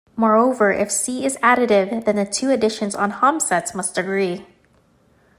Moreover, if C is additive, then the two additions on hom-sets must agree.